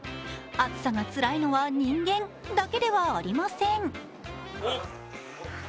暑さがつらいのは人間だけではありません。